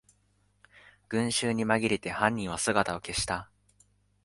群集にまぎれて犯人は姿を消した